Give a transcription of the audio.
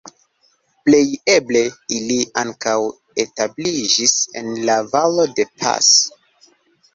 Plej eble, ili ankaŭ establiĝis en la Valo de Pas.